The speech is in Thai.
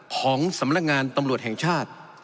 ของสำนักงานตำรวจแห่งชาติ